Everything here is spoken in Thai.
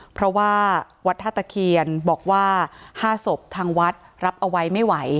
เพราะว่าวัดท่าตะเคียนบอกว่า๕ศพทางวัดรับเอาไว้ไม่ไหว